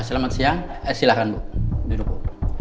selamat siang silahkan bu